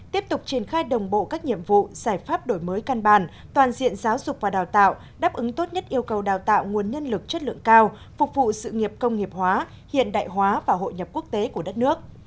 tiếp tục triển khai đồng bộ các nhiệm vụ giải pháp đổi mới căn bản toàn diện giáo dục và đào tạo đáp ứng tốt nhất yêu cầu đào tạo nguồn nhân lực chất lượng cao phục vụ sự nghiệp công nghiệp hóa hiện đại hóa và hội nhập quốc tế của đất nước